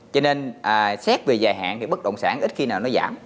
cho nên xét về dài hạn thì bất động sản ít khi nào nó giảm